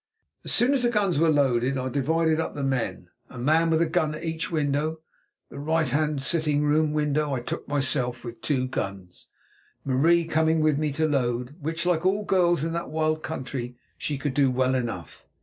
As soon as the guns were loaded I divided up the men, a man with a gun at each window. The right hand sitting room window I took myself with two guns, Marie coming with me to load, which, like all girls in that wild country, she could do well enough.